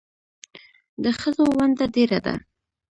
د ښځو ونډه ډېره ده